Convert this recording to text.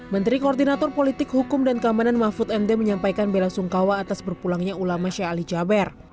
menteri koordinator politik hukum dan kamanan mahfud md menyampaikan bela sungkawa atas berpulangnya ulama syahli jabir